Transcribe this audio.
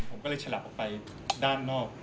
ผมก็เลยฉลับออกไปด้านนอก